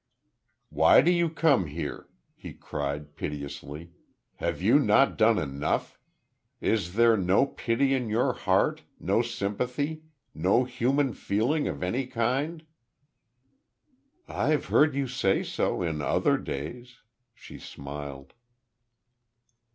"Why do you come here?" he cried, piteously. "Have you not done enough? Is there no pity in your heart no sympathy no human feeling of any kind?" "I've heard you say so, in other days," she smiled.